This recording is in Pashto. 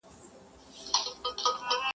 په ترخو کي یې لذت بیا د خوږو دی,